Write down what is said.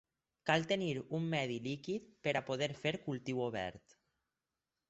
Cal tenir un medi líquid per a poder fer cultiu obert.